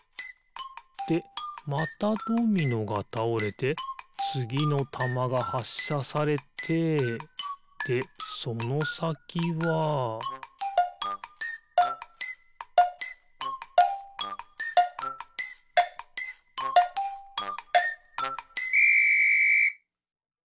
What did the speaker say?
でまたドミノがたおれてつぎのたまがはっしゃされてでそのさきはピッ！